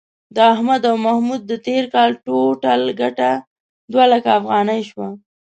د احمد او محمود د تېر کال ټول ټال گټه دوه لکه افغانۍ شوه.